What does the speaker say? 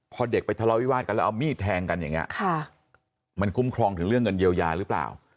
พอเด็กไปทะเลาวิวาสกันแล้วเอามีดแทงกันอย่างนี้มันคุ้มครองถึงเรื่องเงินเยียวยาหรือเปล่า